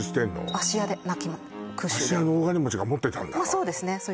芦屋で空襲で芦屋の大金持ちが持ってたんだそうですね